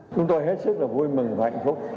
chúng tôi hết sức là vui mừng và hạnh phúc